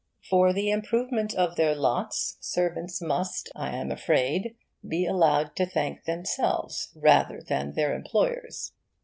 For the improvement in their lot, servants must, I am afraid, be allowed to thank themselves rather than their employers.